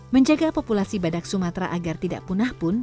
menjaga populasi badak sumatera agar tidak punah pun